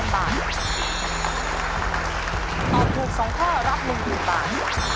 ตอบถูก๒ข้อรับ๑๐๐๐บาท